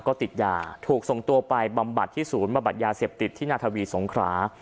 ก็ติดยาถูกส่งตัวไปบำบัดที่ศูนย์บำบัดยาเสพติดที่นาทวีสงครา